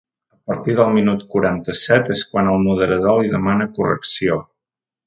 A partir del minut quaranta-set és quan el moderador li demana concreció.